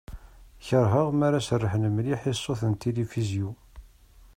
Kerheɣ mi ara serḥen mliḥ i ṣṣut n tilifizyu.